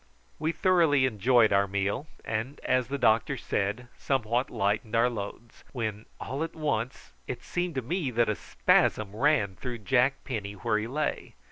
We thoroughly enjoyed our meal, and, as the doctor said, somewhat lightened our loads, when all at once it seemed to me that a spasm ran through Jack Penny where he lay.